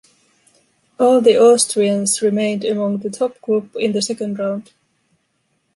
All the Austrians remained among the top group in the second round.